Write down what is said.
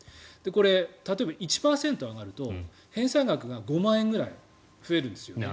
これ、例えば１％上がると返済額が５万円ぐらい増えるんです。